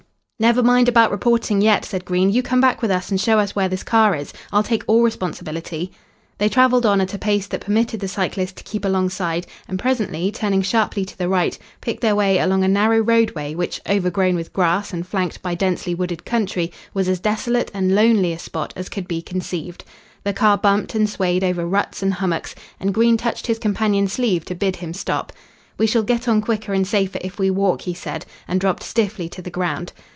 "Never mind about reporting, yet," said Green. "You come back with us and show us where this car is. I'll take all responsibility." They travelled on at a pace that permitted the cyclist to keep alongside, and presently, turning sharply to the right, picked their way along a narrow roadway which, overgrown with grass and flanked by densely wooded country, was as desolate and lonely a spot as could be conceived. The car bumped and swayed over ruts and hummocks, and Green touched his companion's sleeve to bid him stop. "We shall get on quicker and safer if we walk," he said, and dropped stiffly to the ground.